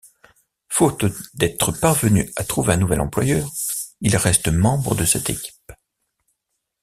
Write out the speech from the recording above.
Faute d'être parvenu à trouver un nouvel employeur, il reste membre de cette équipe.